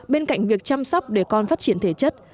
bên cạnh việc chăm sóc để con phát triển thể chất